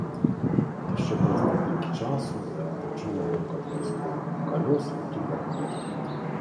Яшчэ праз некалькі часу я пачула грукат вайсковых калёс і тупат ног.